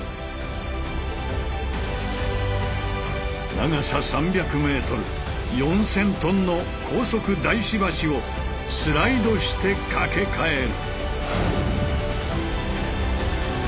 長さ３００ｍ４，０００ｔの高速大師橋をスライドして架け替える。